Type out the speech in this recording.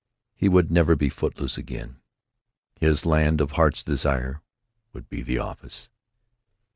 He would never be foot loose again. His land of heart's desire would be the office.